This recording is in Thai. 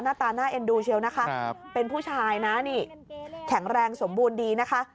หน้าตาน่าเอ็นดูเชียวนะคะเป็นผู้ชายนะนี่แข็งแรงสมบูรณ์ดีนะคะ